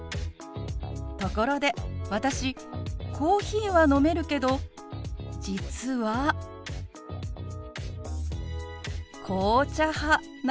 ところで私コーヒーは飲めるけど実は紅茶派なんです。